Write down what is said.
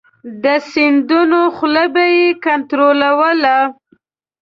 د سیندونو خوله به یې کنترولوله.